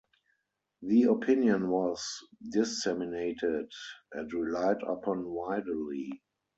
The opinion was disseminated and relied upon widely.